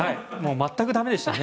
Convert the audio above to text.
全く駄目でしたね。